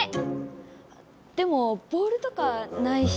でもボールとかないし。